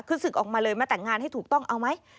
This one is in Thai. คือศึกออกมาเลยมาแต่งงานให้ถูกต้องเอาไหม